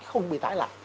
không bị tái lạc